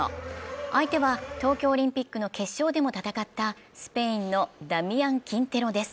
相手は東京オリンピックの決勝でも戦ったスペインのダミアン・キンテロです